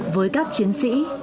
với các chiến sĩ